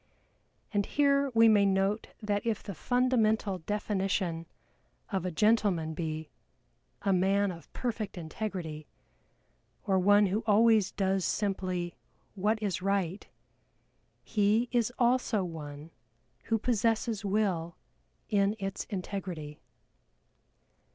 And here we may note that if the fundamental definition of a gentleman be "a man of perfect integrity," or one who always does simply what is right, he is also one who possesses Will in its integrity.